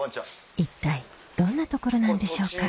一体どんな所なんでしょうか？